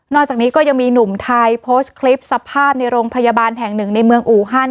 จากนี้ก็ยังมีหนุ่มไทยโพสต์คลิปสภาพในโรงพยาบาลแห่งหนึ่งในเมืองอูฮัน